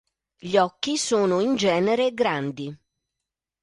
Gli occhi sono in genere grandi.